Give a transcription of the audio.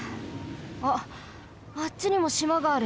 あっあっちにもしまがある。